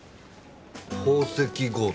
宝石強盗？